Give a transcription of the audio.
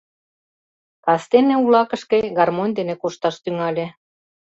Кастене улакышке гармонь дене кошташ тӱҥале.